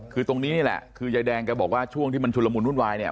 คือตรงนี้นี่แหละคือยายแดงแกบอกว่าช่วงที่มันชุลมุนวุ่นวายเนี่ย